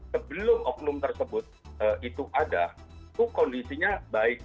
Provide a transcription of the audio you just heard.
sebelum oknum tersebut itu ada itu kondisinya baik